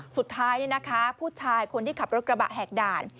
สุดท้ายผู้ชายคนที่ขับรถกระบะแหกด่าน